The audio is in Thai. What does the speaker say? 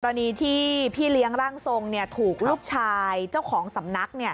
กรณีที่พี่เลี้ยงร่างทรงถูกลูกชายเจ้าของสำนัก